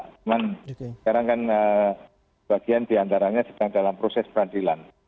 cuman sekarang kan bagian diantaranya sedang dalam proses peradilan